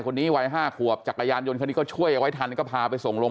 วัย๕ขวบจักรยานยนต์คันนี้ก็ช่วยเอาไว้ทันก็พาไปส่งลง